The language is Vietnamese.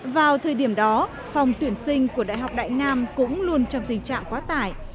vào thời điểm đó phòng tuyển sinh của đại học đại nam cũng luôn trong tình trạng quá tải